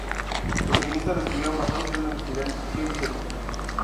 Los guionistas lo escribieron basados en una investigación histórica.